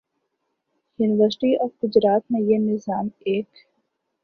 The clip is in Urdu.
یونیورسٹی آف گجرات میں یہ نظام ایک